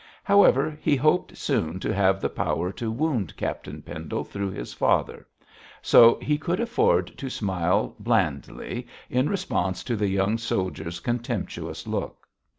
However, he hoped soon to have the power to wound Captain Pendle through his father, so he could afford to smile blandly in response to the young soldier's contemptuous look.